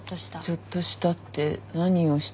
「ちょっとした」って何をしたのかしら？